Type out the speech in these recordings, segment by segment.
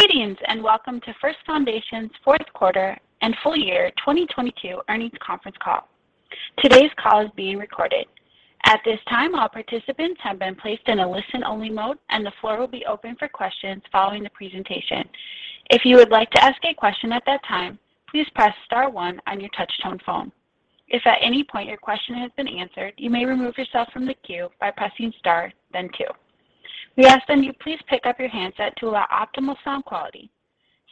Greetings. Welcome to First Foundation's fourth quarter and full year 2022 earnings conference call. Today's call is being recorded. At this time, all participants have been placed in a listen-only mode, and the floor will be open for questions following the presentation. If you would like to ask a question at that time, please press star one on your touchtone phone. If at any point your question has been answered, you may remove yourself from the queue by pressing star then two. We ask that you please pick up your handset to allow optimal sound quality.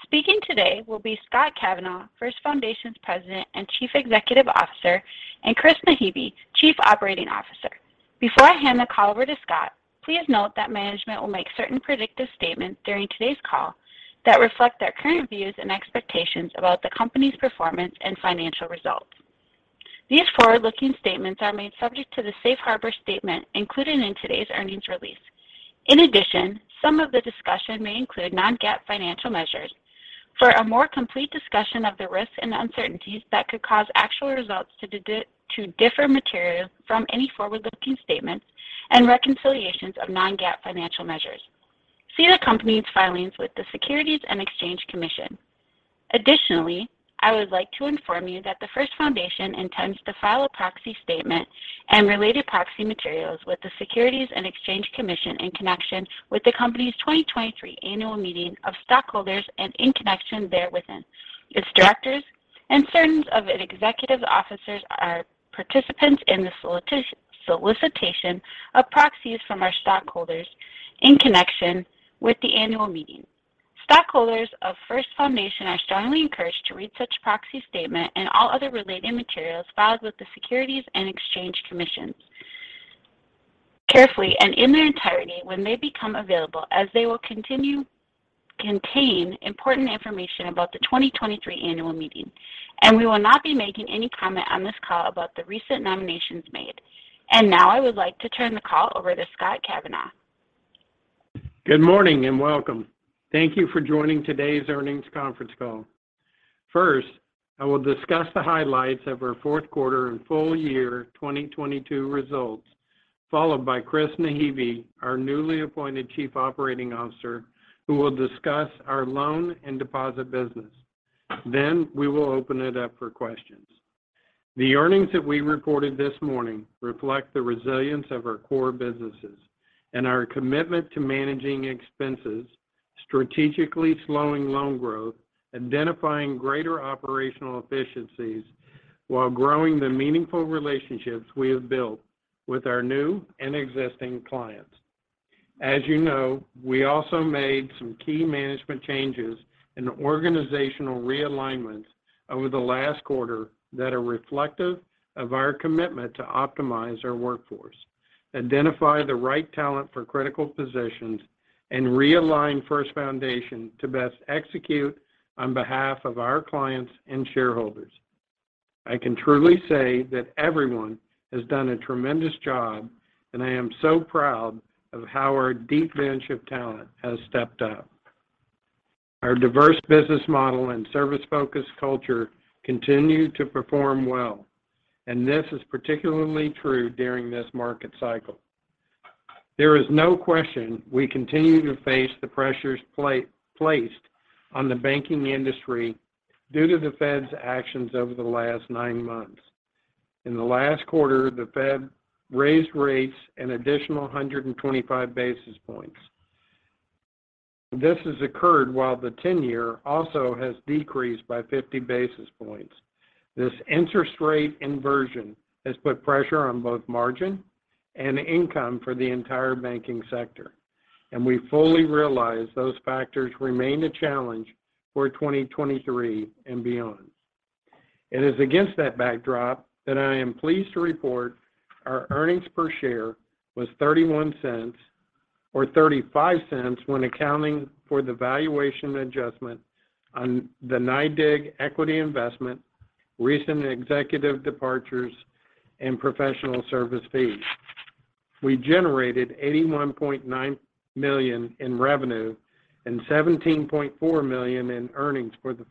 Speaking today will be Scott F. Kavanaugh, First Foundation's President and Chief Executive Officer, and Christopher M. Naghibi, Chief Operating Officer. Before I hand the call over to Scott, please note that management will make certain predictive statements during today's call that reflect their current views and expectations about the company's performance and financial results. These forward-looking statements are made subject to the safe harbor statement included in today's earnings release. In addition, some of the discussion may include non-GAAP financial measures. For a more complete discussion of the risks and uncertainties that could cause actual results to differ materially from any forward-looking statements and reconciliations of non-GAAP financial measures, see the company's filings with the Securities and Exchange Commission. Additionally, I would like to inform you that First Foundation intends to file a proxy statement and related proxy materials with the Securities and Exchange Commission in connection with the company's 2023 annual meeting of stockholders and in connection therewith. Its directors and certain of its executive officers are participants in the solicitation of proxies from our stockholders in connection with the annual meeting. Stockholders of First Foundation are strongly encouraged to read such proxy statement and all other related materials filed with the Securities and Exchange Commission carefully and in their entirety when they become available as they will contain important information about the 2023 annual meeting. We will not be making any comment on this call about the recent nominations made. Now I would like to turn the call over to Scott Kavanaugh. Good morning and welcome. Thank you for joining today's earnings conference call. First, I will discuss the highlights of our fourth quarter and full year 2022 results, followed by Christopher Naghibi, our newly appointed Chief Operating Officer, who will discuss our loan and deposit business. We will open it up for questions. The earnings that we reported this morning reflect the resilience of our core businesses and our commitment to managing expenses, strategically slowing loan growth, identifying greater operational efficiencies while growing the meaningful relationships we have built with our new and existing clients. As you know, we also made some key management changes and organizational realignments over the last quarter that are reflective of our commitment to optimize our workforce, identify the right talent for critical positions, and realign First Foundation to best execute on behalf of our clients and shareholders. I can truly say that everyone has done a tremendous job, and I am so proud of how our deep bench of talent has stepped up. Our diverse business model and service-focused culture continue to perform well, and this is particularly true during this market cycle. There is no question we continue to face the pressures placed on the banking industry due to the Fed's actions over the last 9 months. In the last quarter, the Fed raised rates an additional 125 basis points. This has occurred while the 10-year also has decreased by 50 basis points. This interest rate inversion has put pressure on both margin and income for the entire banking sector. We fully realize those factors remain a challenge for 2023 and beyond. It is against that backdrop that I am pleased to report our earnings per share was $0.31 or $0.35 when accounting for the valuation adjustment on the NYDIG equity investment, recent executive departures, and professional service fees. We generated $81.9 million in revenue and $17.4 million in earnings for the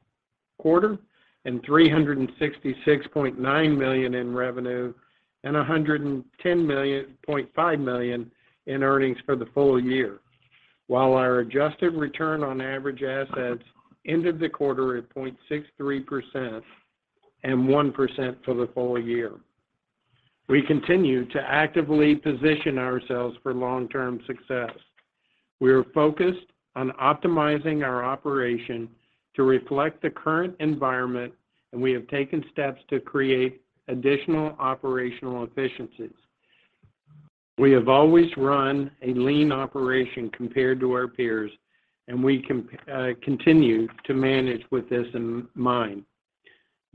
quarter and $366.9 million in revenue and $110.5 million in earnings for the full year. While our adjusted return on average assets ended the quarter at 0.63% and 1% for the full year. We continue to actively position ourselves for long-term success. We are focused on optimizing our operation to reflect the current environment, we have taken steps to create additional operational efficiencies. We have always run a lean operation compared to our peers, and we continue to manage with this in mind.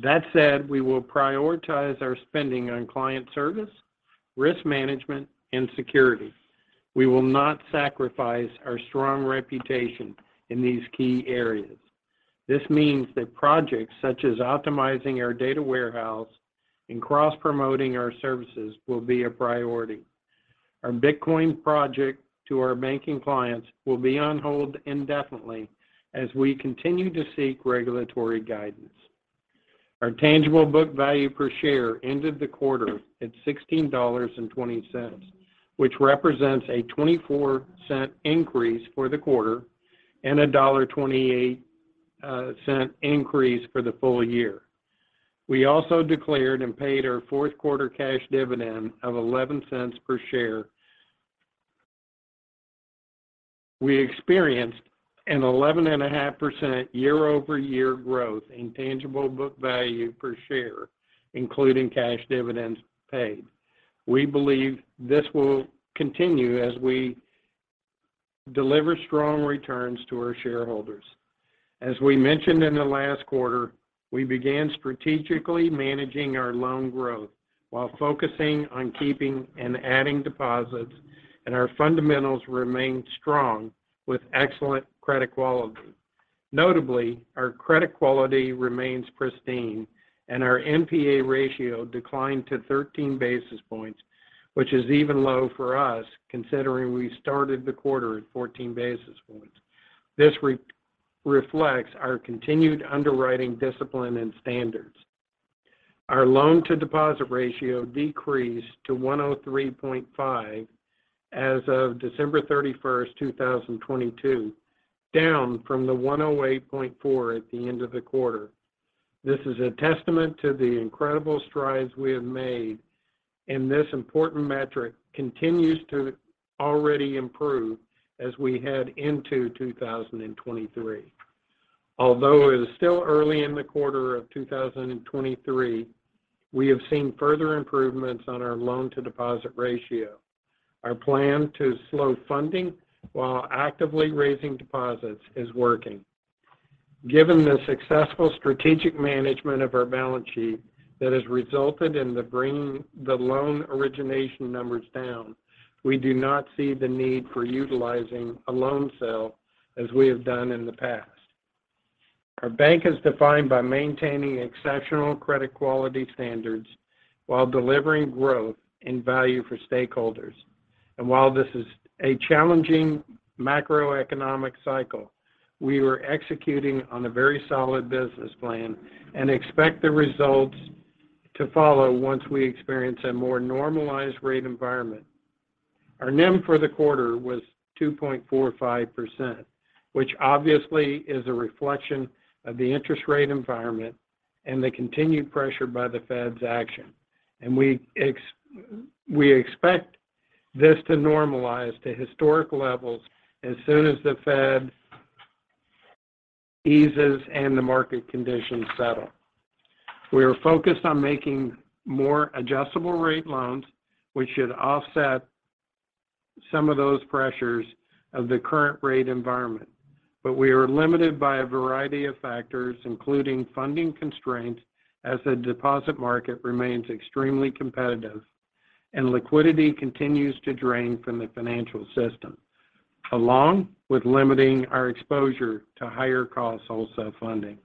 That said, we will prioritize our spending on client service, risk management, and security. We will not sacrifice our strong reputation in these key areas. This means that projects such as optimizing our data warehouse and cross-promoting our services will be a priority. Our Bitcoin project to our banking clients will be on hold indefinitely as we continue to seek regulatory guidance. Our tangible book value per share ended the quarter at $16.20, which represents a $0.24 increase for the quarter and a $1.28 increase for the full year. We also declared and paid our fourth quarter cash dividend of $0.11 per share. We experienced an 11.5% year-over-year growth in tangible book value per share, including cash dividends paid. We believe this will continue as we deliver strong returns to our shareholders. As we mentioned in the last quarter, we began strategically managing our loan growth while focusing on keeping and adding deposits, and our fundamentals remained strong with excellent credit quality. Notably, our credit quality remains pristine, and our NPA ratio declined to 13 basis points, which is even low for us, considering we started the quarter at 14 basis points. This reflects our continued underwriting discipline and standards. Our loan to deposit ratio decreased to 103.5 as of December 31, 2022, down from the 108.4 at the end of the quarter. This is a testament to the incredible strides we have made. This important metric continues to already improve as we head into 2023. Although it is still early in the quarter of 2023, we have seen further improvements on our loan to deposit ratio. Our plan to slow funding while actively raising deposits is working. Given the successful strategic management of our balance sheet that has resulted in the bringing the loan origination numbers down, we do not see the need for utilizing a loan sale as we have done in the past. Our bank is defined by maintaining exceptional credit quality standards while delivering growth and value for stakeholders. While this is a challenging macroeconomic cycle, we were executing on a very solid business plan and expect the results to follow once we experience a more normalized rate environment. Our NIM for the quarter was 2.45%, which obviously is a reflection of the interest rate environment and the continued pressure by the Fed's action. We expect this to normalize to historic levels as soon as the Fed eases and the market conditions settle. We are focused on making more adjustable rate loans, which should offset some of those pressures of the current rate environment. We are limited by a variety of factors, including funding constraints as the deposit market remains extremely competitive and liquidity continues to drain from the financial system, along with limiting our exposure to higher cost wholesale funding.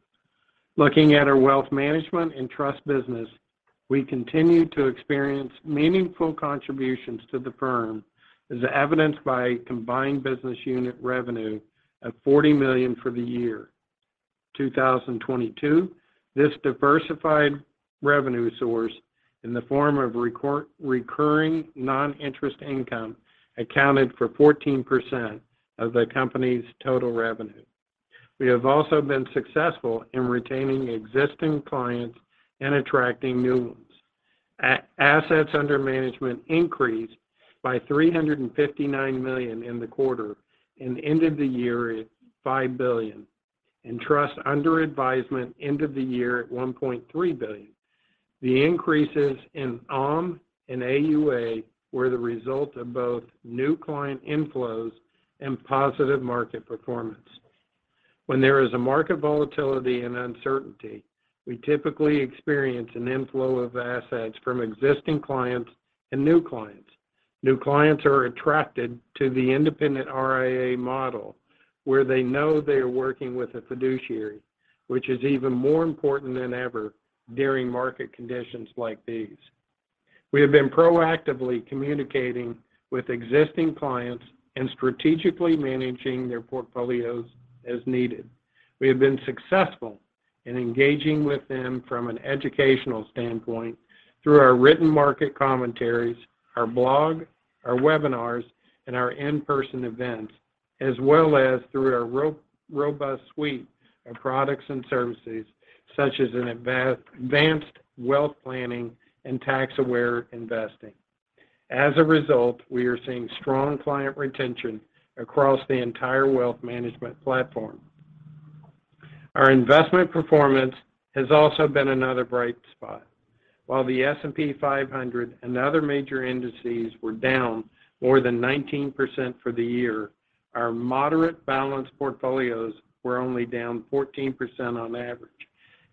Looking at our wealth management and trust business, we continue to experience meaningful contributions to the firm as evidenced by combined business unit revenue of $40 million for the year. 2022, this diversified revenue source in the form of recurring non-interest income accounted for 14% of the company's total revenue. We have also been successful in retaining existing clients and attracting new ones. Assets under management increased by $359 million in the quarter and ended the year at $5 billion, and trust under advisement end of the year at $1.3 billion. The increases in AUM and AUA were the result of both new client inflows and positive market performance. When there is a market volatility and uncertainty, we typically experience an inflow of assets from existing clients and new clients. New clients are attracted to the independent RIA model, where they know they are working with a fiduciary, which is even more important than ever during market conditions like these. We have been proactively communicating with existing clients and strategically managing their portfolios as needed. We have been successful in engaging with them from an educational standpoint through our written market commentaries, our blog, our webinars, and our in-person events, as well as through our robust suite of products and services, such as an advanced wealth planning and tax-aware investing. As a result, we are seeing strong client retention across the entire wealth management platform. Our investment performance has also been another bright spot. While the S&P 500 and other major indices were down more than 19% for the year, our moderate balanced portfolios were only down 14% on average,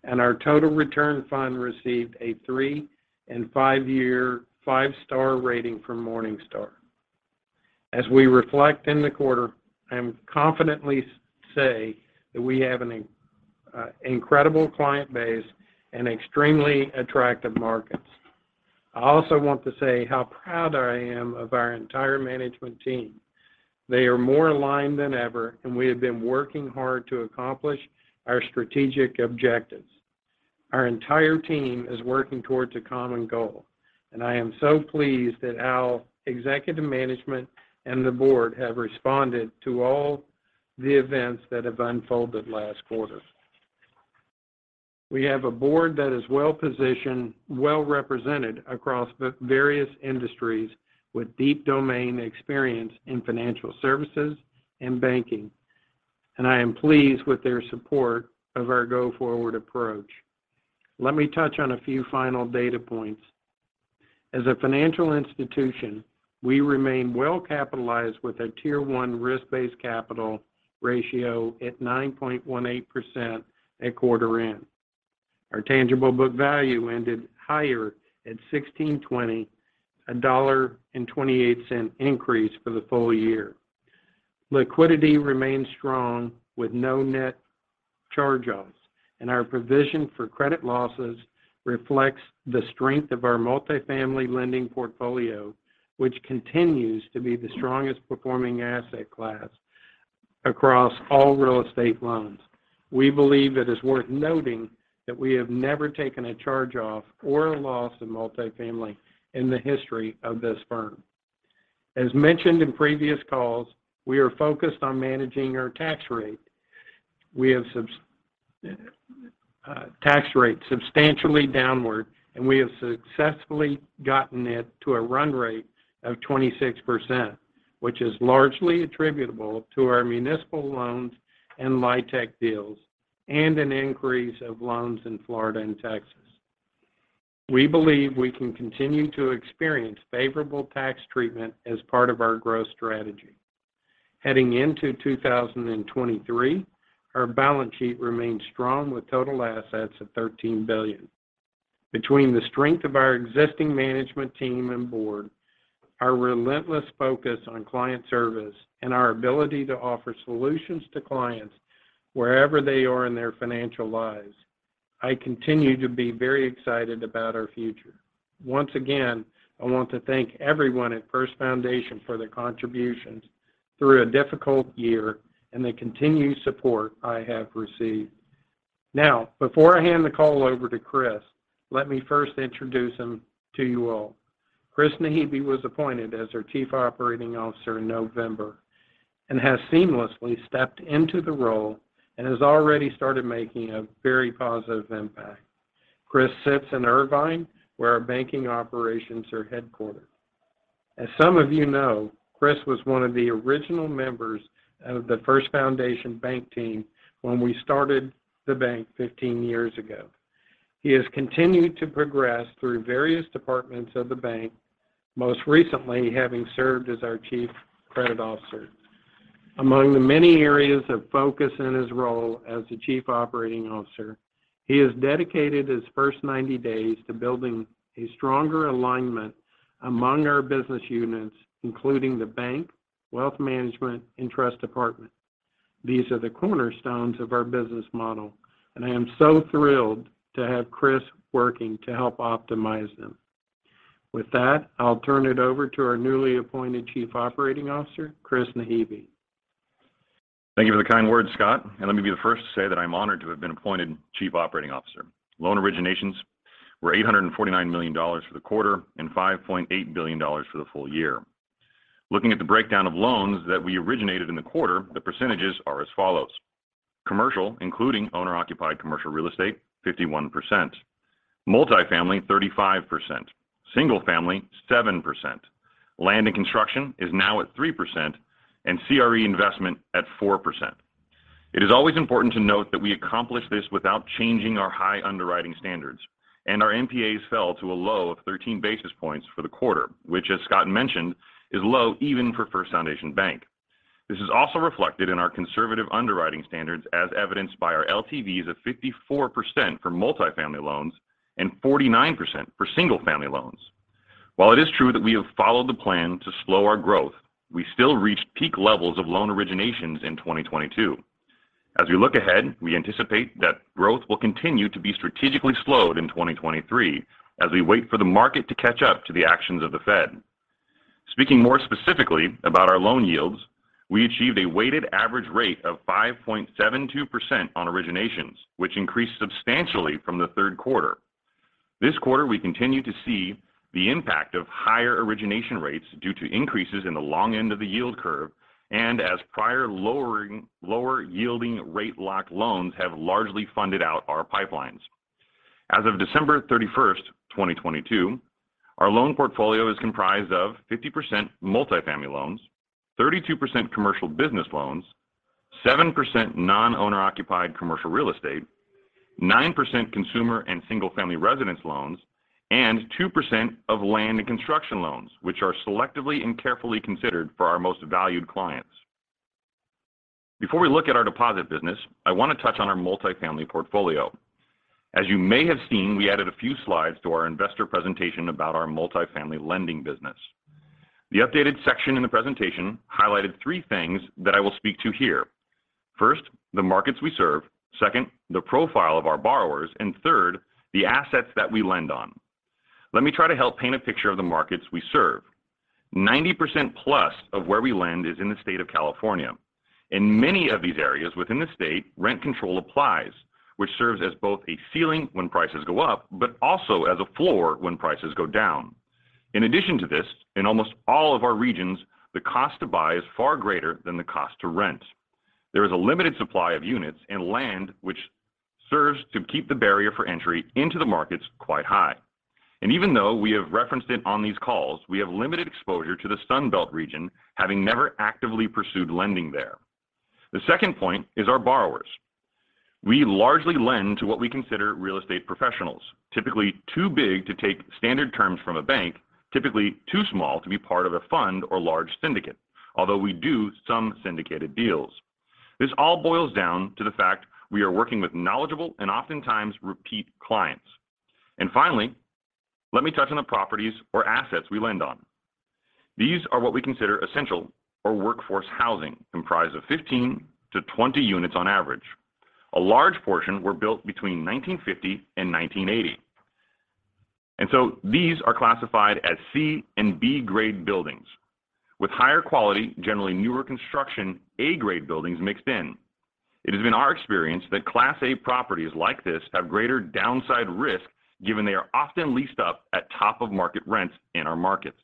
and our Total Return Fund received a 3- and 5-year 5-star rating from Morningstar. As we reflect in the quarter, I can confidently say that we have an incredible client base and extremely attractive markets. I also want to say how proud I am of our entire management team. They are more aligned than ever. We have been working hard to accomplish our strategic objectives. Our entire team is working towards a common goal. I am so pleased at how executive management and the board have responded to all the events that have unfolded last quarter. We have a board that is well-positioned, well-represented across various industries with deep domain experience in financial services and banking. I am pleased with their support of our go-forward approach. Let me touch on a few final data points. As a financial institution, we remain well capitalized with a Tier 1 risk-based capital ratio at 9.18% at quarter end. Our tangible book value ended higher at $16.20, a $1.28 increase for the full year. Liquidity remains strong with no net charge-offs, and our provision for credit losses reflects the strength of our multifamily lending portfolio, which continues to be the strongest performing asset class across all real estate loans. We believe it is worth noting that we have never taken a charge-off or a loss in multifamily in the history of this firm. As mentioned in previous calls, we are focused on managing our tax rate. We have tax rate substantially downward, and we have successfully gotten it to a run rate of 26%, which is largely attributable to our municipal loans and LIHTC deals and an increase of loans in Florida and Texas. We believe we can continue to experience favorable tax treatment as part of our growth strategy. Heading into 2023, our balance sheet remains strong with total assets of $13 billion. Between the strength of our existing management team and board, our relentless focus on client service and our ability to offer solutions to clients wherever they are in their financial lives, I continue to be very excited about our future. Once again, I want to thank everyone at First Foundation for their contributions through a difficult year and the continued support I have received. Before I hand the call over to Chris, let me first introduce him to you all. Chris Naghibi was appointed as our Chief Operating Officer in November and has seamlessly stepped into the role and has already started making a very positive impact. Chris sits in Irvine, where our banking operations are headquartered. As some of you know, Chris was one of the original members of the First Foundation Bank team when we started the bank 15 years ago. He has continued to progress through various departments of the bank, most recently having served as our Chief Credit Officer. Among the many areas of focus in his role as the Chief Operating Officer, he has dedicated his first 90 days to building a stronger alignment among our business units, including the bank, wealth management, and trust department. These are the cornerstones of our business model. I am so thrilled to have Chris working to help optimize them. With that, I'll turn it over to our newly appointed Chief Operating Officer, Chris Naghibi. Thank you for the kind words, Scott. Let me be the first to say that I'm honored to have been appointed Chief Operating Officer. Loan originations were $849 million for the quarter and $5.8 billion for the full year. Looking at the breakdown of loans that we originated in the quarter, the percentages are as follows: commercial, including owner-occupied commercial real estate, 51%; multifamily, 35%; single family, 7%; land and construction is now at 3%; and CRE investment at 4%. It is always important to note that we accomplished this without changing our high underwriting standards, and our NPAs fell to a low of 13 basis points for the quarter, which, as Scott mentioned, is low even for First Foundation Bank. This is also reflected in our conservative underwriting standards, as evidenced by our LTVs of 54% for multifamily loans and 49% for single family loans. While it is true that we have followed the plan to slow our growth, we still reached peak levels of loan originations in 2022. We anticipate that growth will continue to be strategically slowed in 2023 as we wait for the market to catch up to the actions of the Fed. Speaking more specifically about our loan yields, we achieved a weighted average rate of 5.72% on originations, which increased substantially from the third quarter. This quarter, we continue to see the impact of higher origination rates due to increases in the long end of the yield curve and as prior lower yielding rate locked loans have largely funded out our pipelines. As of December 31, 2022, our loan portfolio is comprised of 50% multifamily loans, 32% commercial business loans, 7% non-owner occupied commercial real estate, 9% consumer and single family residence loans, and 2% of land and construction loans, which are selectively and carefully considered for our most valued clients. Before we look at our deposit business, I want to touch on our multifamily portfolio. As you may have seen, we added a few slides to our investor presentation about our multifamily lending business. The updated section in the presentation highlighted 3 things that I will speak to here. First, the markets we serve. Second, the profile of our borrowers. Third, the assets that we lend on. Let me try to help paint a picture of the markets we serve. 90%+ of where we lend is in the state of California. In many of these areas within the state, rent control applies, which serves as both a ceiling when prices go up, but also as a floor when prices go down. In addition to this, in almost all of our regions, the cost to buy is far greater than the cost to rent. There is a limited supply of units and land which serves to keep the barrier for entry into the markets quite high. Even though we have referenced it on these calls, we have limited exposure to the Sun Belt region, having never actively pursued lending there. The second point is our borrowers. We largely lend to what we consider real estate professionals, typically too big to take standard terms from a bank, typically too small to be part of a fund or large syndicate, although we do some syndicated deals. This all boils down to the fact we are working with knowledgeable and oftentimes repeat clients. Finally, let me touch on the properties or assets we lend on. These are what we consider essential or workforce housing, comprised of 15 to 20 units on average. A large portion were built between 1950 and 1980. These are classified as C and B-grade buildings with higher quality, generally newer construction, A-grade buildings mixed in. It has been our experience that Class A properties like this have greater downside risk, given they are often leased up at top of market rents in our markets.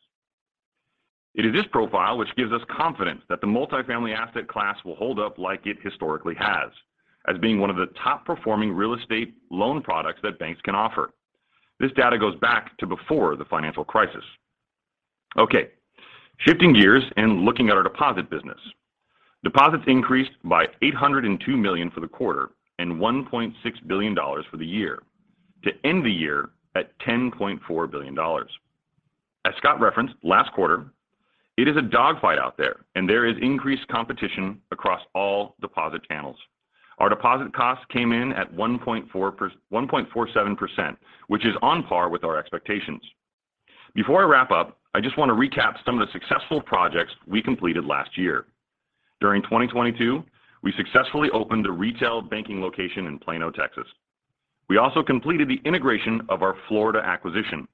It is this profile which gives us confidence that the multifamily asset class will hold up like it historically has as being one of the top performing real estate loan products that banks can offer. This data goes back to before the financial crisis. Shifting gears and looking at our deposit business. Deposits increased by $802 million for the quarter and $1.6 billion for the year, to end the year at $10.4 billion. As Scott referenced last quarter, it is a dogfight out there and there is increased competition across all deposit channels. Our deposit costs came in at 1.47%, which is on par with our expectations. Before I wrap up, I just want to recap some of the successful projects we completed last year. During 2022, we successfully opened a retail banking location in Plano, Texas. We also completed the integration of our Florida acquisition.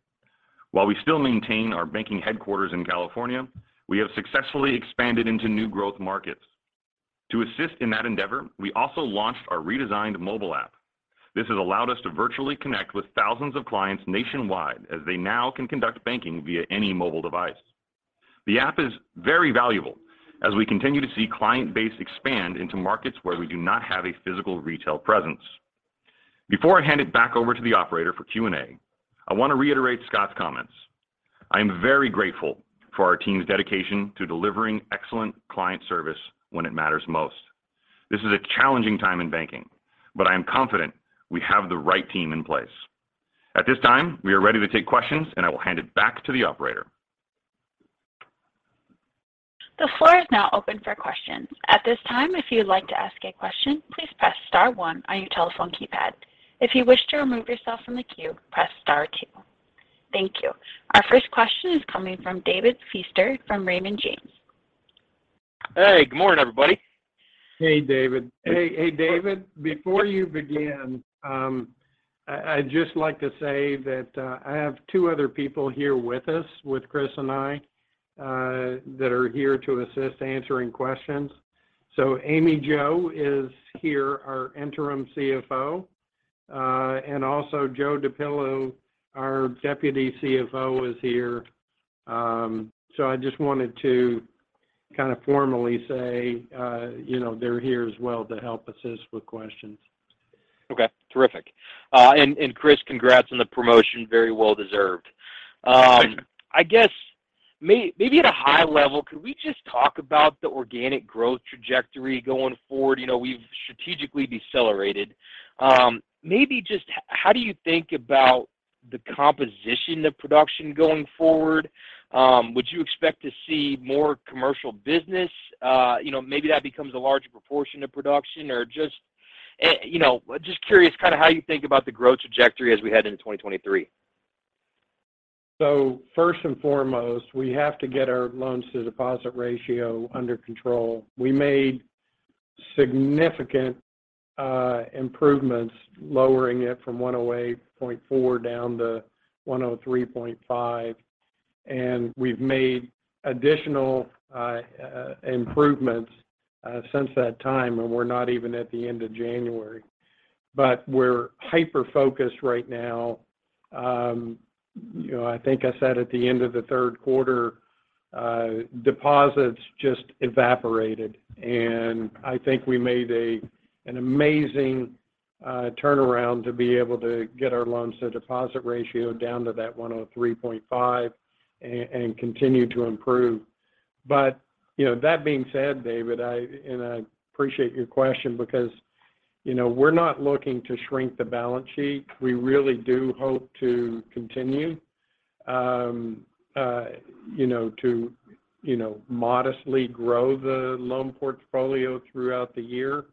While we still maintain our banking headquarters in California, we have successfully expanded into new growth markets. To assist in that endeavor, we also launched our redesigned mobile app. This has allowed us to virtually connect with thousands of clients nationwide as they now can conduct banking via any mobile device. The app is very valuable as we continue to see client base expand into markets where we do not have a physical retail presence. Before I hand it back over to the operator for Q&A, I want to reiterate Scott's comments. I am very grateful for our team's dedication to delivering excellent client service when it matters most. This is a challenging time in banking, but I am confident we have the right team in place. At this time, we are ready to take questions, and I will hand it back to the operator. The floor is now open for questions. At this time, if you'd like to ask a question, please press star one on your telephone keypad. If you wish to remove yourself from the queue, press star two. Thank you. Our first question is coming from David Feaster from Raymond James. Hey, good morning, everybody. Hey, David. Hey, David, before you begin, I'd just like to say that I have two other people here with us, with Chris and I, that are here to assist answering questions. Amy Djou is here, our interim CFO, and also Joseph DePillo, our deputy CFO, is here. I just wanted to kind of formally say, you know, they're here as well to help assist with questions. Okay. Terrific. Chris, congrats on the promotion. Very well deserved. Thank you. I guess maybe at a high level, could we just talk about the organic growth trajectory going forward? You know, we've strategically decelerated. Maybe just how do you think about the composition of production going forward? Would you expect to see more commercial business? You know, maybe that becomes a larger proportion of production or just. You know, just curious kind of how you think about the growth trajectory as we head into 2023. First and foremost, we have to get our loans to deposit ratio under control. We made significant improvements, lowering it from 108.4 down to 103.5, and we've made additional improvements since that time, and we're not even at the end of January. We're hyper-focused right now. You know, I think I said at the end of the third quarter, deposits just evaporated, and I think we made a an amazing turnaround to be able to get our loans to deposit ratio down to that 103.5 and continue to improve. You know, that being said, David, I, and I appreciate your question because, you know, we're not looking to shrink the balance sheet. We really do hope to continue, you know, to, you know, modestly grow the loan portfolio throughout the year.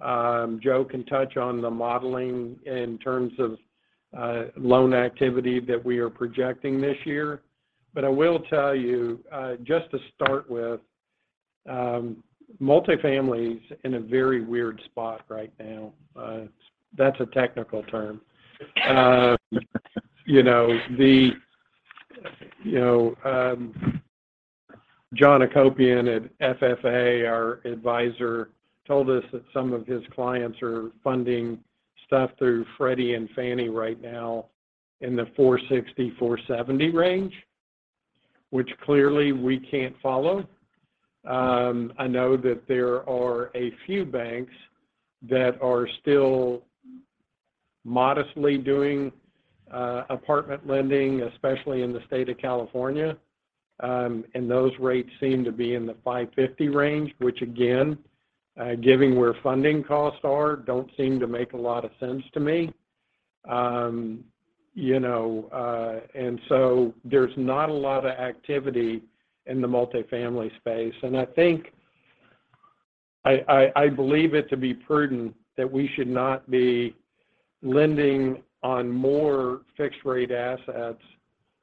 Joe can touch on the modeling in terms of loan activity that we are projecting this year. I will tell you, just to start with, multifamily is in a very weird spot right now. That's a technical term. You know, the, you know, John Hakopian at FFA, our advisor, told us that some of his clients are funding stuff through Freddie and Fannie right now in the 4.60%-4.70% range, which clearly we can't follow. I know that there are a few banks that are still modestly doing apartment lending, especially in the state of California. Those rates seem to be in the 550 range, which again, given where funding costs are, don't seem to make a lot of sense to me. You know, and so there's not a lot of activity in the multifamily space. I think I believe it to be prudent that we should not be lending on more fixed rate assets,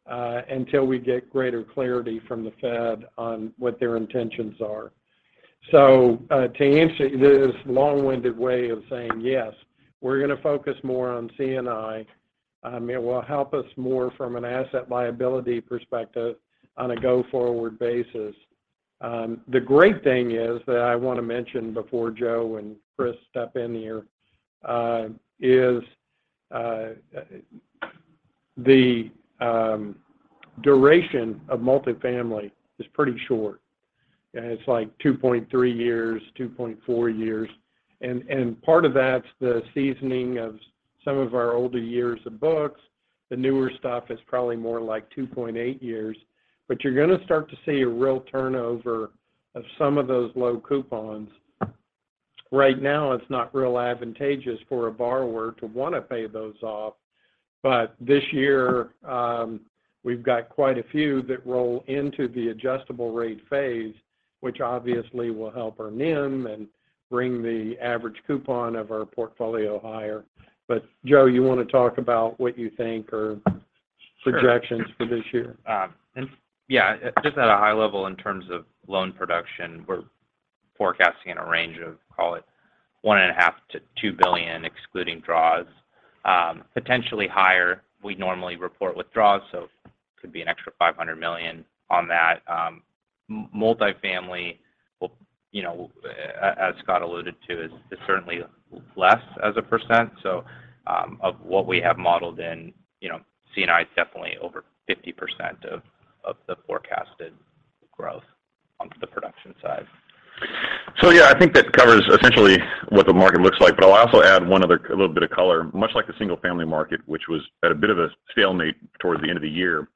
until we get greater clarity from the Fed on what their intentions are. To answer this long-winded way of saying, yes, we're gonna focus more on C&I, it will help us more from an asset liability perspective on a go-forward basis. The great thing is that I want to mention before Joe and Chris step in here, is the duration of multifamily is pretty short. It's like 2.3 years, 2.4 years. Part of that's the seasoning of some of our older years of books. The newer stuff is probably more like 2.8 years. You're gonna start to see a real turnover of some of those low coupons. Right now, it's not real advantageous for a borrower to wanna pay those off. This year, we've got quite a few that roll into the adjustable rate phase, which obviously will help our NIM and bring the average coupon of our portfolio higher. Joe, you want to talk about what you think are projections for this year? Sure. Yeah, just at a high level in terms of loan production, we're forecasting in a range of, call it, one and a half to $2 billion, excluding draws. Potentially higher, we'd normally report withdraws, so could be an extra $500 million on that. multifamily will, you know, as Scott alluded to, is certainly less as a percent. Of what we have modeled in, you know, C&I is definitely over 50% of the forecasted growth onto the production side. Yeah, I think that covers essentially what the market looks like. I'll also add one other a little bit of color. Much like the single-family market, which was at a bit of a stalemate towards the end of the year,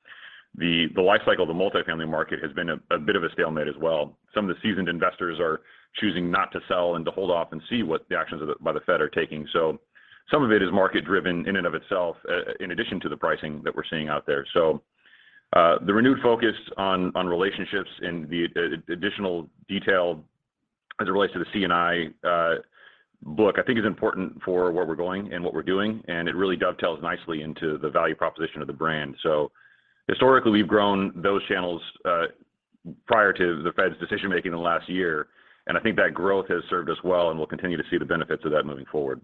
the life cycle of the multifamily market has been a bit of a stalemate as well. Some of the seasoned investors are choosing not to sell and to hold off and see what the actions by the Fed are taking. Some of it is market-driven in and of itself, in addition to the pricing that we're seeing out there. The renewed focus on relationships and the additional detail as it relates to the C&I book, I think is important for where we're going and what we're doing, and it really dovetails nicely into the value proposition of the brand. Historically, we've grown those channels, prior to the Fed's decision-making in the last year. I think that growth has served us well, and we'll continue to see the benefits of that moving forward.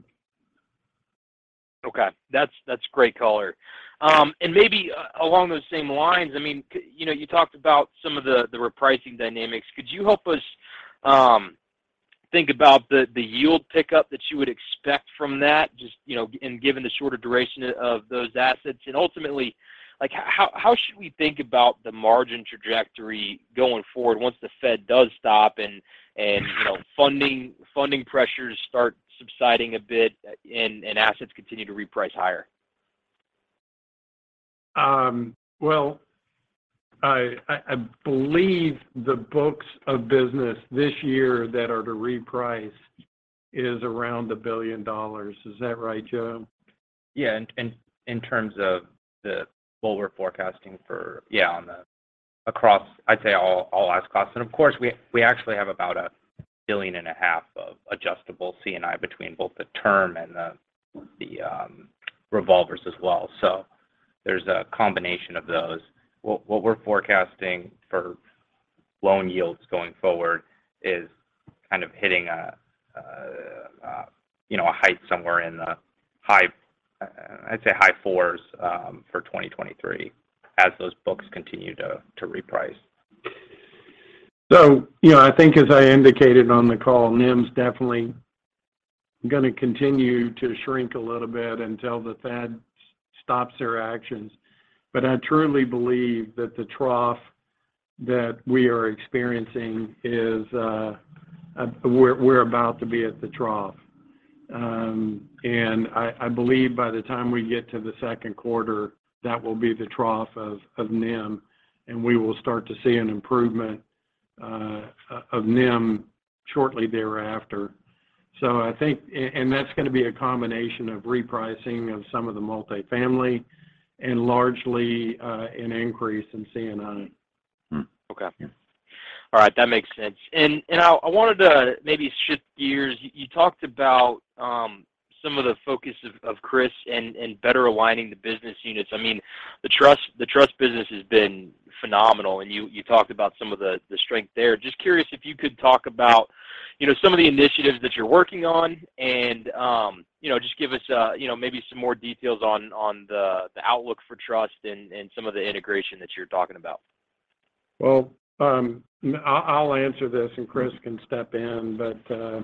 Okay. That's, that's great color. along those same lines, I mean, you know, you talked about some of the repricing dynamics. Could you help us think about the yield pickup that you would expect from that, just, you know, and given the shorter duration of those assets? Ultimately, like, how should we think about the margin trajectory going forward once the Fed does stop and, you know, funding pressures start subsiding a bit and assets continue to reprice higher? I believe the books of business this year that are to reprice is around $1 billion. Is that right, Joe? In terms of what we're forecasting for on the across, I'd say all asset costs. Of course, we actually have about a billion and a half of adjustable C&I between both the term and the revolvers as well. There's a combination of those. What we're forecasting for loan yields going forward is kind of hitting a, you know, a height somewhere in the high, I'd say high fours, for 2023 as those books continue to reprice. You know, I think as I indicated on the call, NIM's definitely gonna continue to shrink a little bit until the Fed stops their actions. I truly believe that the trough that we are experiencing is we're about to be at the trough. I believe by the time we get to the second quarter, that will be the trough of NIM, and we will start to see an improvement of NIM shortly thereafter. I think. That's gonna be a combination of repricing of some of the multifamily and largely an increase in C&I. Okay. Yeah. All right. That makes sense. I wanted to maybe shift gears. You talked about some of the focus of Chris and better aligning the business units. I mean, the trust business has been phenomenal and you talked about some of the strength there. Just curious if you could talk about, you know, some of the initiatives that you're working on and, you know, just give us, you know, maybe some more details on the outlook for trust and some of the integration that you're talking about. Well, I'll answer this and Chris can step in. You know,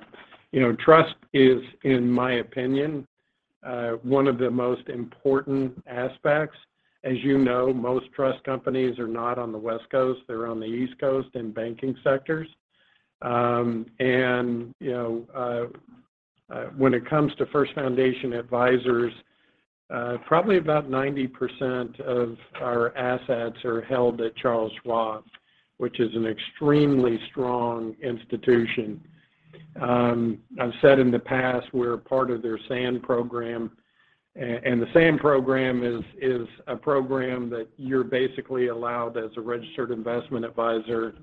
trust is, in my opinion, one of the most important aspects. As you know, most trust companies are not on the West Coast, they're on the East Coast in banking sectors. You know, when it comes to First Foundation Advisors, probably about 90% of our assets are held at Charles Schwab, which is an extremely strong institution. I've said in the past we're part of their SAND program. The SAND program is a program that you're basically allowed as a registered investment advisor,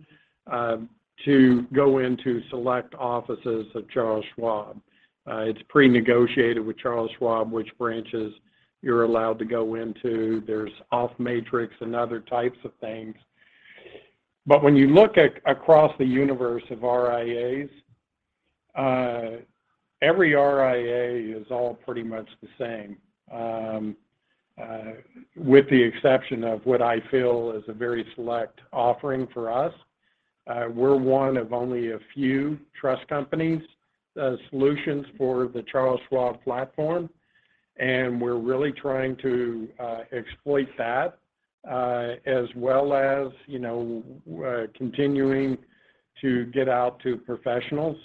to go into select offices of Charles Schwab. It's pre-negotiated with Charles Schwab which branches you're allowed to go into. There's off matrix and other types of things. When you look across the universe of RIAs, every RIA is all pretty much the same. With the exception of what I feel is a very select offering for us. We're one of only a few trust companies, solutions for the Charles Schwab platform, and we're really trying to exploit that, as well as, you know, continuing to get out to professionals.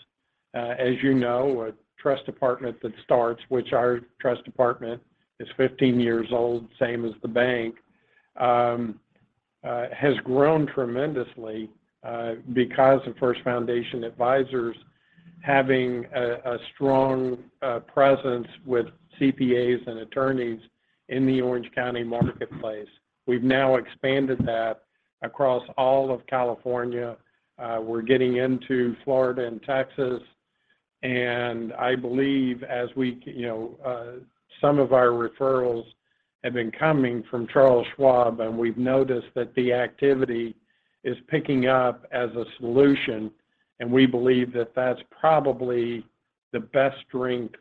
As you know, a trust department that starts, which our trust department is 15 years old, same as the bank, has grown tremendously because of First Foundation Advisors having a strong presence with CPAs and attorneys in the Orange County marketplace. We've now expanded that across all of California. We're getting into Florida and Texas, and I believe as you know, some of our referrals have been coming from Charles Schwab, and we've noticed that the activity is picking up as a solution, and we believe that that's probably the best drink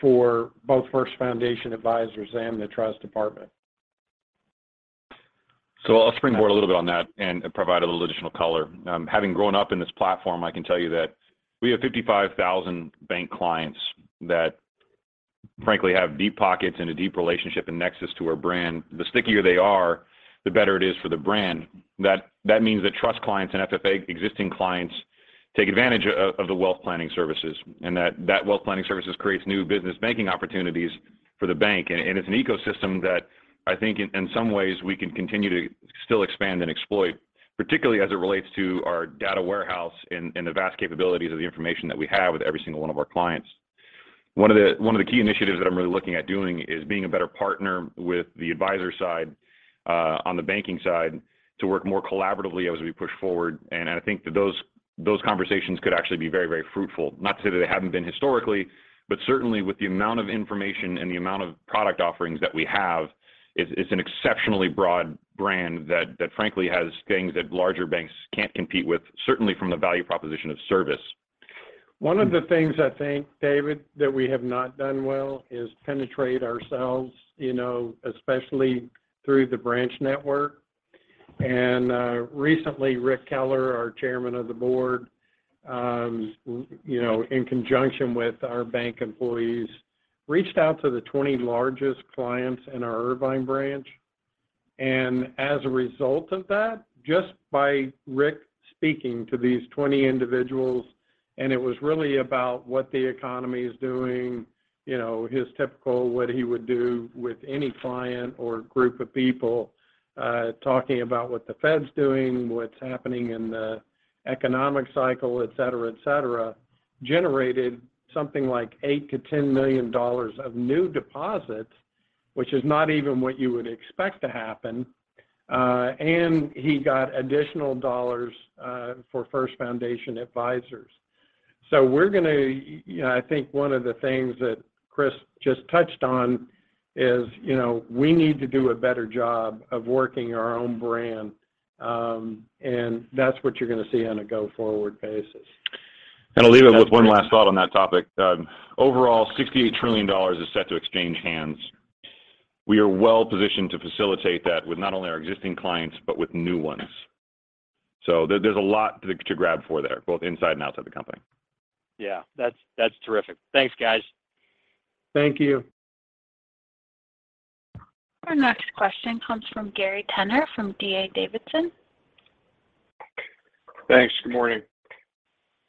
for both First Foundation Advisors and the trust department. I'll springboard a little bit on that and provide a little additional color. Having grown up in this platform, I can tell you that we have 55,000 bank clients that frankly have deep pockets and a deep relationship and nexus to our brand. The stickier they are, the better it is for the brand. That means that trust clients and FFA existing clients take advantage of the wealth planning services. That wealth planning services creates new business banking opportunities for the bank. It's an ecosystem that I think in some ways we can continue to still expand and exploit, particularly as it relates to our data warehouse and the vast capabilities of the information that we have with every single one of our clients. One of the key initiatives that I'm really looking at doing is being a better partner with the advisor side, on the banking side to work more collaboratively as we push forward. I think that those conversations could actually be very fruitful. Not to say that they haven't been historically, but certainly with the amount of information and the amount of product offerings that we have, it's an exceptionally broad brand that frankly has things that larger banks can't compete with, certainly from the value proposition of service. One of the things I think, David, that we have not done well is penetrate ourselves, you know, especially through the branch network. Recently, Rick Keller, our Chairman of the Board, you know, in conjunction with our bank employees, reached out to the 20 largest clients in our Irvine branch. As a result of that, just by Rick speaking to these 20 individuals, and it was really about what the economy is doing, you know, his typical what he would do with any client or group of people, talking about what the Fed's doing, what's happening in the economic cycle, et cetera, et cetera, generated something like $8 million-$10 million of new deposits, which is not even what you would expect to happen. He got additional dollars for First Foundation Advisors. you know, I think one of the things that Chris just touched on is, you know, we need to do a better job of working our own brand. That's what you're gonna see on a go-forward basis. I'll leave it with one last thought on that topic. Overall $68 trillion is set to exchange hands. We are well positioned to facilitate that with not only our existing clients, but with new ones. There, there's a lot to grab for there, both inside and outside the company. Yeah. That's terrific. Thanks, guys. Thank you. Our next question comes from Gary Tenner from D.A. Davidson. Thanks. Good morning.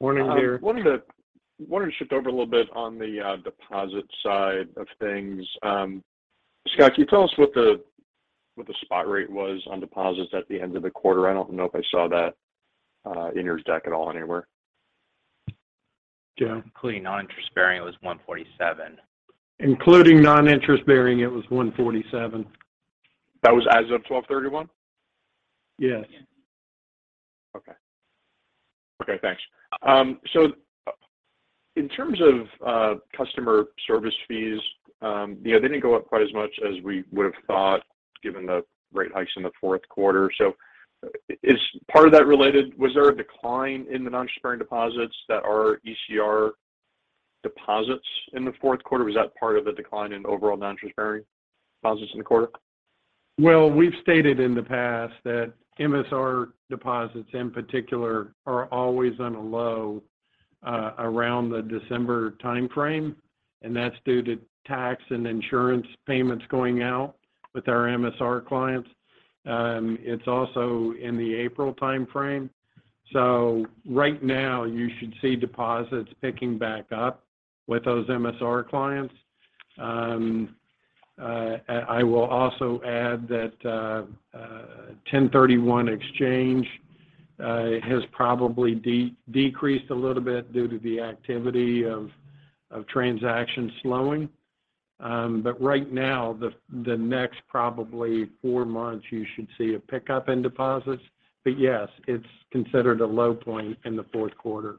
Morning, Gary. wanted to shift over a little bit on the deposit side of things. Scott, can you tell us what the spot rate was on deposits at the end of the quarter? I don't know if I saw that in your deck at all anywhere. Including non-interest bearing was $147. Including non-interest bearing, it was $147. That was as of 12/31? Yes. Yeah. Okay. Okay, thanks. In terms of customer service fees, you know, they didn't go up quite as much as we would have thought given the rate hikes in the fourth quarter. Was there a decline in the non-interest-bearing deposits that are ECR deposits in the fourth quarter? Was that part of the decline in overall non-interest-bearing deposits in the quarter? We've stated in the past that MSR deposits, in particular, are always on a low around the December timeframe, and that's due to tax and insurance payments going out with our MSR clients. It's also in the April timeframe. Right now, you should see deposits picking back up with those MSR clients. And I will also add that 1031 exchange has probably decreased a little bit due to the activity of transactions slowing. Right now, the next probably 4 months, you should see a pickup in deposits. Yes, it's considered a low point in the fourth quarter.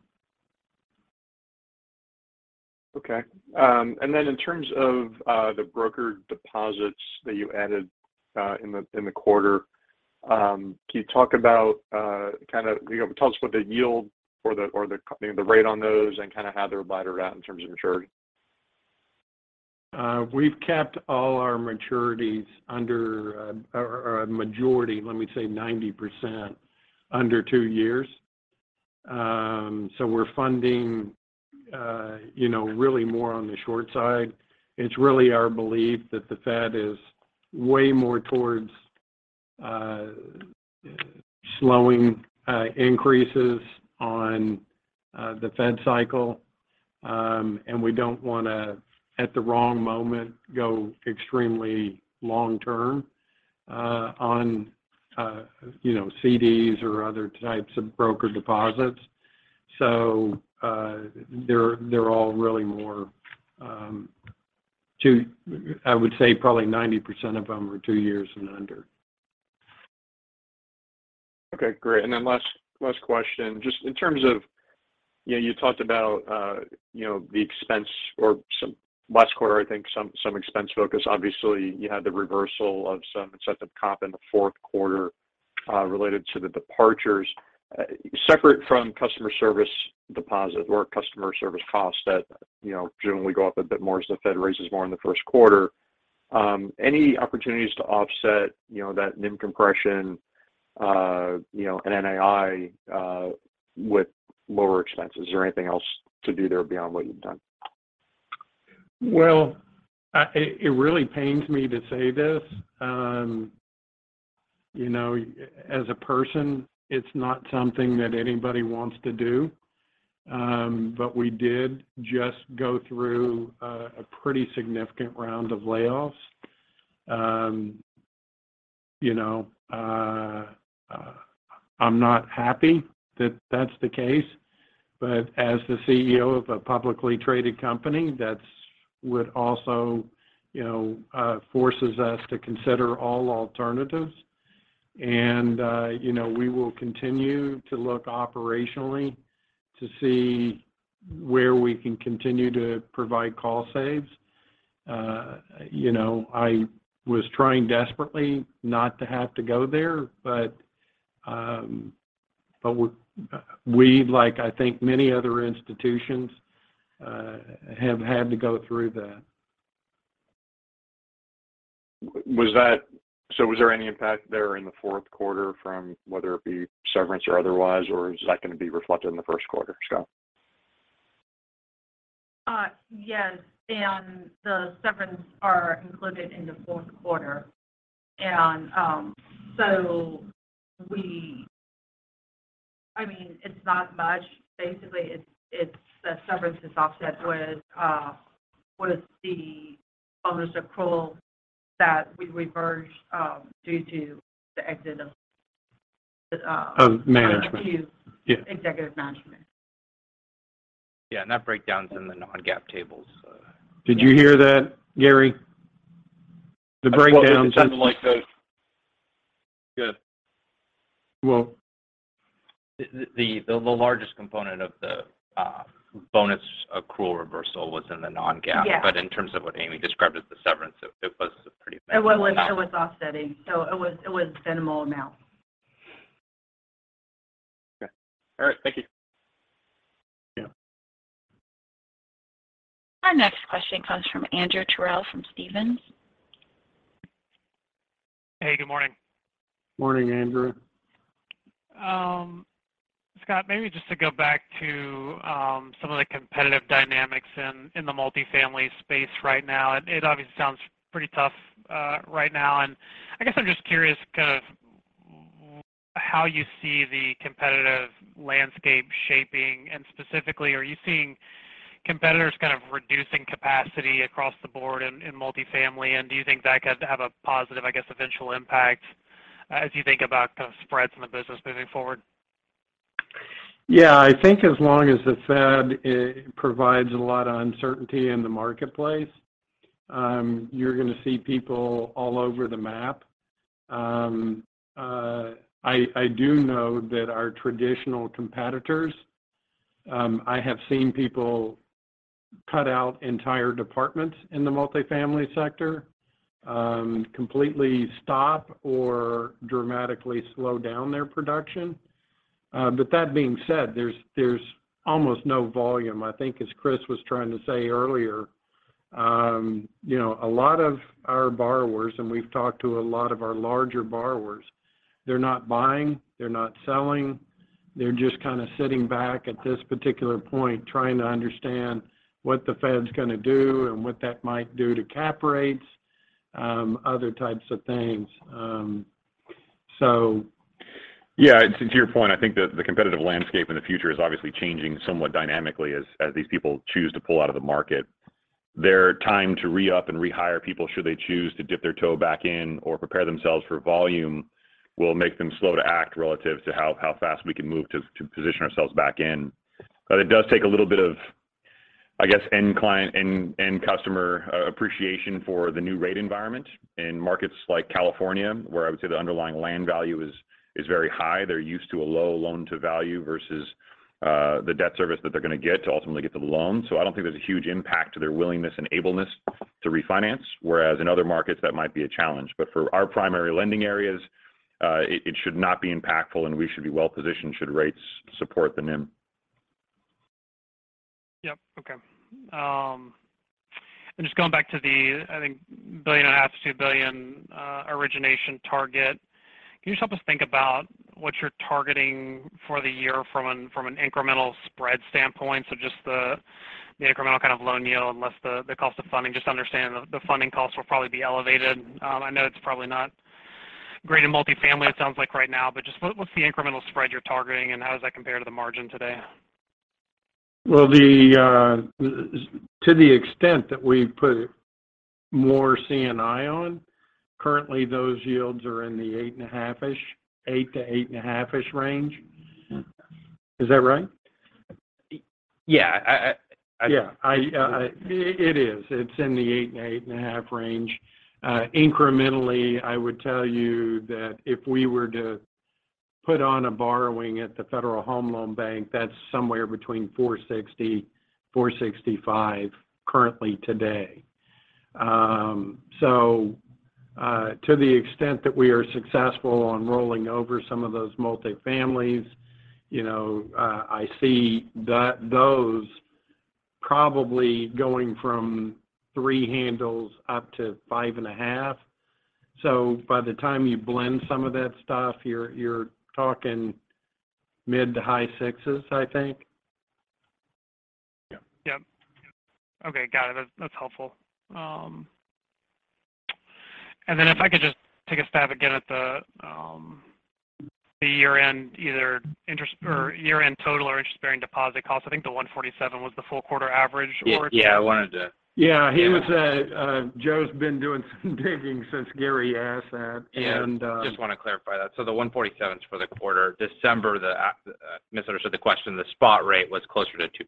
Okay. In terms of, the broker deposits that you added, in the quarter, can you talk about, you know, tell us what the yield or the, or the, you know, the rate on those and kind of how they're divided out in terms of maturity? We've kept all our maturities under, or a majority, let me say 90% under 2 years. We're funding, you know, really more on the short side. It's really our belief that the Fed is way more towards slowing increases on the Fed cycle. We don't wanna, at the wrong moment, go extremely long term on, you know, CDs or other types of broker deposits. They're all really more, I would say probably 90% of them are 2 years and under. Okay, great. Last question, just in terms of, you know, you talked about, you know, the expense or last quarter, I think some expense focus. Obviously, you had the reversal of some incentive comp in the fourth quarter, related to the departures. Separate from customer service deposit or customer service costs that, you know, generally go up a bit more as the Fed raises more in the first quarter, any opportunities to offset, you know, that NIM compression, you know, and NII, with lower expenses? Is there anything else to do there beyond what you've done? Well, it really pains me to say this, you know, as a person, it's not something that anybody wants to do. We did just go through a pretty significant round of layoffs. You know, I'm not happy that that's the case, but as the CEO of a publicly traded company, that would also, you know, forces us to consider all alternatives. You know, we will continue to look operationally to see where we can continue to provide cost saves. You know, I was trying desperately not to have to go there, but we've, like I think many other institutions, have had to go through that. Was there any impact there in the fourth quarter from whether it be severance or otherwise, or is that gonna be reflected in the first quarter, Scott? Yes. The severance are included in the fourth quarter. I mean, it's not much. Basically, it's the severance is offset with the bonus accrual that we reversed, due to the exit of. Of management. Of executive management. Yeah. Yeah. Did you hear that, Gary? The breakdown- Well, it sounded like the... Yeah. Well- The largest component of the bonus accrual reversal was in the non-GAAP. Yes. It was offsetting. It was a minimal amount. Okay. All right. Thank you. Yeah. Our next question comes from Andrew Terrell from Stephens. Hey, good morning. Morning, Andrew. Scott, maybe just to go back to some of the competitive dynamics in the multifamily space right now. It obviously sounds pretty tough right now. I guess I'm just curious kind of how you see the competitive landscape shaping, and specifically, are you seeing Competitors kind of reducing capacity across the board in multifamily. Do you think that could have a positive, I guess, eventual impact as you think about kind of spreads in the business moving forward? I think as long as the Fed, it provides a lot of uncertainty in the marketplace, you're gonna see people all over the map. I do know that our traditional competitors, I have seen people cut out entire departments in the multifamily sector, completely stop or dramatically slow down their production. That being said, there's almost no volume. I think as Chris was trying to say earlier, you know, a lot of our borrowers, and we've talked to a lot of our larger borrowers, they're not buying, they're not selling. They're just kinda sitting back at this particular point trying to understand what the Fed's gonna do and what that might do to cap rates, other types of things. Yeah. To your point, I think the competitive landscape in the future is obviously changing somewhat dynamically as these people choose to pull out of the market. Their time to re-up and rehire people should they choose to dip their toe back in or prepare themselves for volume, will make them slow to act relative to how fast we can move to position ourselves back in. It does take a little bit of, I guess, end client and customer appreciation for the new rate environment in markets like California, where I would say the underlying land value is very high. They're used to a low loan to value versus the debt service that they're gonna get to ultimately get the loan. I don't think there's a huge impact to their willingness and able-ness to refinance, whereas in other markets, that might be a challenge. For our primary lending areas, it should not be impactful, and we should be well-positioned should rates support the NIM. Yep. Okay. Just going back to the, I think, $1.5 billion-$2 billion origination target. Can you just help us think about what you're targeting for the year from an incremental spread standpoint? Just the incremental kind of loan yield and less the cost of funding. Just understand the funding costs will probably be elevated. I know it's probably not great in multifamily it sounds like right now, but just what's the incremental spread you're targeting, and how does that compare to the margin today? The to the extent that we put more C&I on, currently those yields are in the 8.5%-ish, 8%-8.5%-ish range. Is that right? Yeah. I. It is. It's in the 8%-8.5% range. Incrementally, I would tell you that if we were to put on a borrowing at the Federal Home Loan Bank, that's somewhere between 4.60%-4.65% currently today. To the extent that we are successful on rolling over some of those multifamilies, you know, I see those probably going from 3% handles up to 5.5%. By the time you blend some of that stuff, you're talking mid to high 6%s, I think. Yeah. Yep. Okay. Got it. That's helpful. If I could just take a stab again at the year-end either interest or year-end total or interest-bearing deposit costs. I think the 147 was the full quarter average. Yeah. Yeah. Yeah. He was, Joe's been doing some digging since Gary asked that. Just wanna clarify that. The 147's for the quarter. December, misunderstood the question. The spot rate was closer to 2%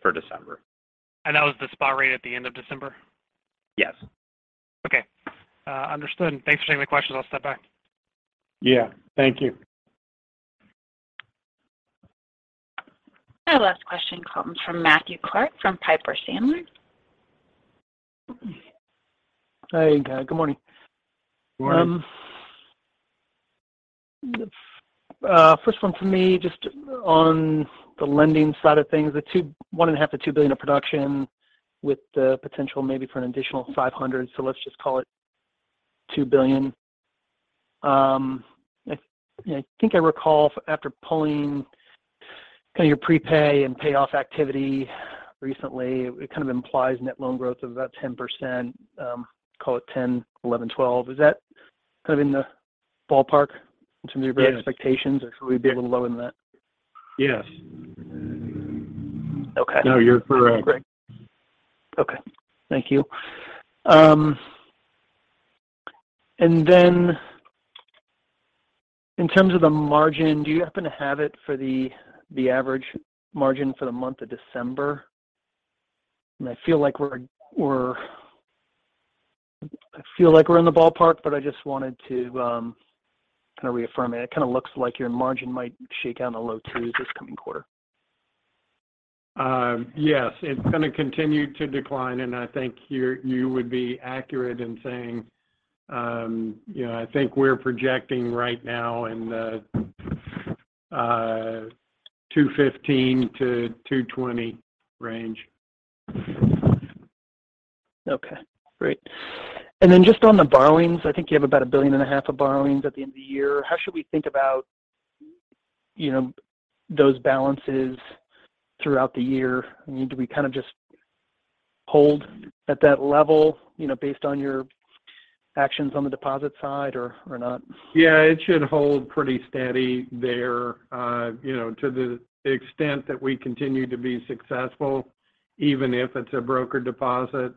for December. That was the spot rate at the end of December? Yes. Okay. Understood. Thanks for taking the questions. I'll step back. Yeah. Thank you. Our last question comes from Matthew Clark from Piper Sandler. Hey. Good morning. Good morning. First one for me, just on the lending side of things. One and a half to $2 billion of production with the potential maybe for an additional $500 million, so let's just call it $2 billion. I think I recall after pulling kind of your prepay and payoff activity recently, it kind of implies net loan growth of about 10%, call it 10%, 11%, 12%. Is that kind of in the ballpark in terms of your- Yes... expectations, or should we be a little lower than that? Yes. Okay. No, you're correct. Great. Okay. Thank you. Then in terms of the margin, do you happen to have it for the average margin for the month of December? I feel like we're in the ballpark, but I just wanted to, kind of reaffirm it. It kind of looks like your margin might shake down to low twos this coming quarter. Yes. It's gonna continue to decline, and I think you would be accurate in saying, you know, I think we're projecting right now in the 215-220 range. Okay. Great. Just on the borrowings, I think you have about a billion and a half of borrowings at the end of the year. How should we think about, you know, those balances throughout the year? I mean, do we kind of just hold at that level, you know, based on your actions on the deposit side or not? Yeah, it should hold pretty steady there. you know, to the extent that we continue to be successful, even if it's a broker deposit,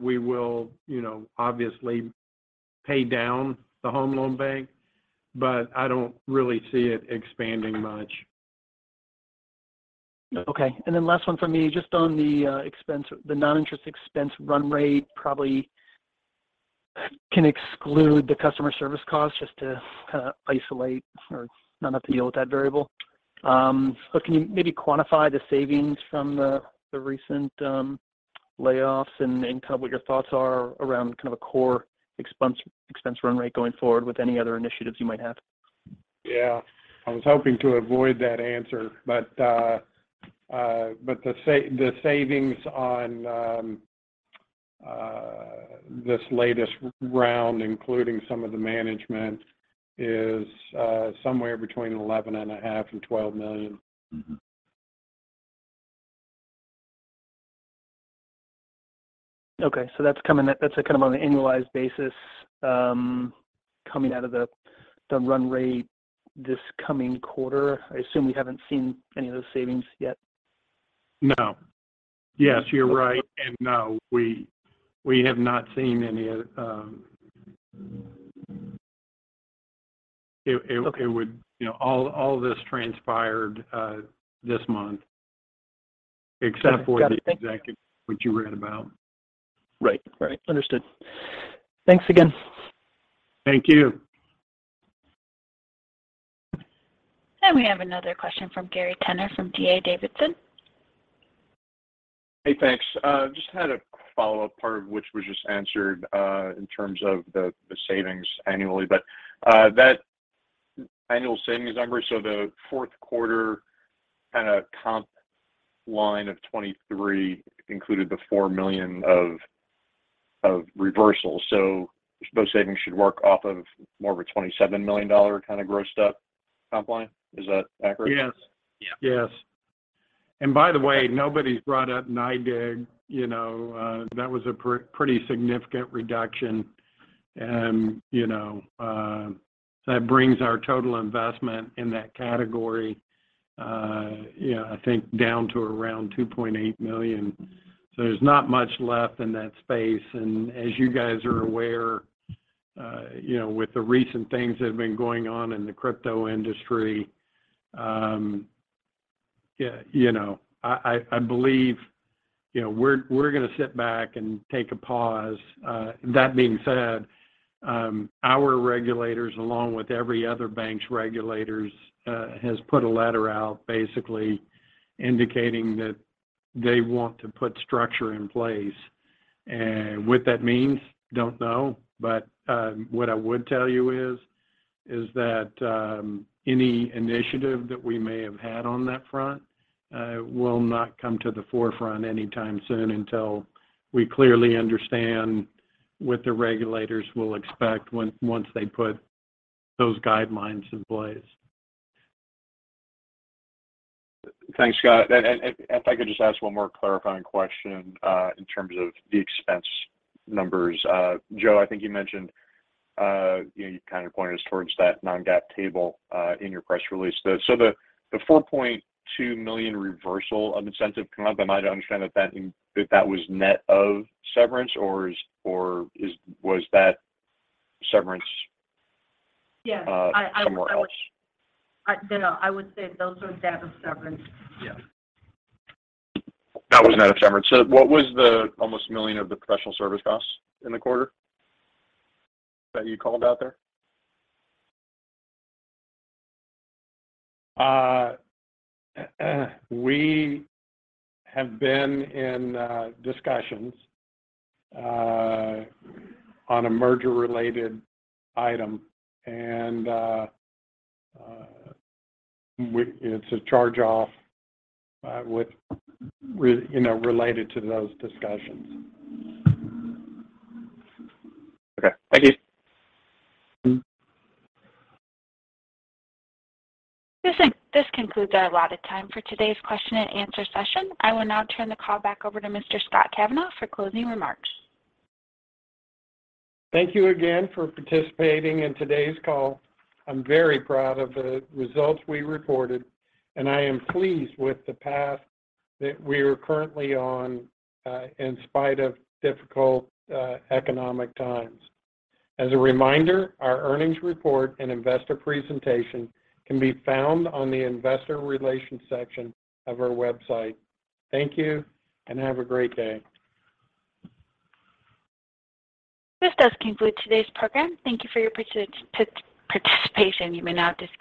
we will, you know, obviously pay down the Federal Home Loan Bank. I don't really see it expanding much. Okay. Last one from me, just on the non-interest expense run rate probably can exclude the customer service cost just to kind of isolate or not have to deal with that variable. Can you maybe quantify the savings from the recent layoffs and kind of what your thoughts are around kind of a core expense run rate going forward with any other initiatives you might have? Yeah. I was hoping to avoid that answer, but the savings on this latest round, including some of the management, is somewhere between $11.5 million and $12 million. Okay. That's kind of on an annualized basis, coming out of the run rate this coming quarter. I assume we haven't seen any of those savings yet. No. Yes, you're right. No, we have not seen any of. Okay. You know, all this transpired, this month except for the executive, which you read about. Right. Right. Understood. Thanks again. Thank you. We have another question from Gary Tenner from D.A. Davidson. Hey, thanks. Just had a follow-up, part of which was just answered, in terms of the savings annually. That annual savings number, so the fourth quarter kind of comp line of 23 included the $4 million of reversal. Those savings should work off of more of a $27 million kind of grossed up comp line. Is that accurate? Yes. Yeah. Yes. By the way, nobody's brought up NYDIG. You know, that was a pretty significant reduction. You know, that brings our total investment in that category, you know, I think down to around $2.8 million. There's not much left in that space. As you guys are aware, you know, with the recent things that have been going on in the crypto industry, you know, I believe, you know, we're gonna sit back and take a pause. That being said, our regulators, along with every other bank's regulators, has put a letter out basically indicating that they want to put structure in place. What that means, don't know. What I would tell you is that, any initiative that we may have had on that front, will not come to the forefront anytime soon until we clearly understand what the regulators will expect once they put those guidelines in place. Thanks, Scott. If I could just ask one more clarifying question, in terms of the expense numbers. Joe, I think you mentioned, you know, you kind of pointed us towards that non-GAAP table in your press release. The $4.2 million reversal of incentive comp, am I to understand that if that was net of severance or is was that severance- Yes. somewhere else? No, I would say those are net of severance. Yeah. That was net of severance. What was the almost $1 million of the professional service costs in the quarter that you called out there? We have been in discussions on a merger-related item, and it's a charge-off, with you know, related to those discussions. Okay. Thank you. This concludes our allotted time for today's question and answer session. I will now turn the call back over to Mr. Scott Kavanaugh for closing remarks. Thank you again for participating in today's call. I'm very proud of the results we reported. I am pleased with the path that we are currently on, in spite of difficult economic times. As a reminder, our earnings report and investor presentation can be found on the investor relations section of our website. Thank you. Have a great day. This does conclude today's program. Thank you for your participation. You may now disconnect.